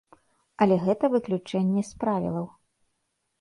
Але гэта выключэнне з правілаў.